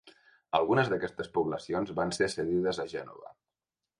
Algunes d'aquestes poblacions van ser cedides a Gènova.